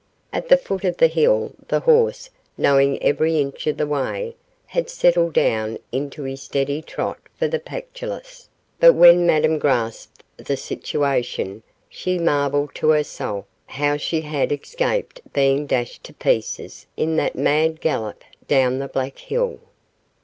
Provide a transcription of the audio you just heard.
At the foot of the hill, the horse, knowing every inch of the way, had settled down into his steady trot for the Pactolus, but when Madame grasped the situation, she marvelled to herself how she had escaped being dashed to pieces in that mad gallop down the Black Hill.